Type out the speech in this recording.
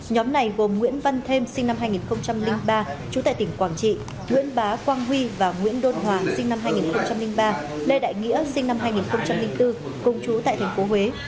nhóm này gồm nguyễn văn thêm sinh năm hai nghìn ba trú tại tỉnh quảng trị nguyễn bá quang huy và nguyễn đôn hòa sinh năm hai nghìn ba lê đại nghĩa sinh năm hai nghìn bốn cùng chú tại tp huế